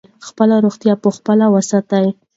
خپله روغتیا په خپله وساتئ.